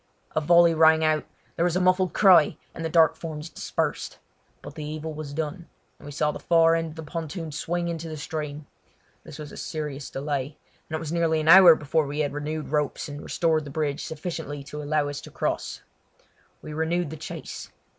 A volley rang out. There was a muffled cry, and the dark forms dispersed. But the evil was done, and we saw the far end of the pontoon swing into the stream. This was a serious delay, and it was nearly an hour before we had renewed ropes and restored the bridge sufficiently to allow us to cross. We renewed the chase.